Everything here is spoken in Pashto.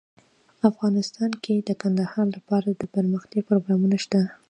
افغانستان کې د کندهار لپاره دپرمختیا پروګرامونه شته.